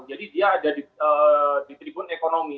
jadi dia ada di tribun ekonomi